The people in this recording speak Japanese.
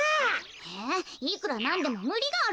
えいくらなんでもむりがあるわよ。